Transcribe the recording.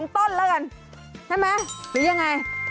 ต้นแล้วกันใช่ไหมหรือยังไง